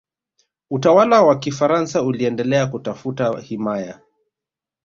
utawala wa kifaransa uliendelea kutafuta himaya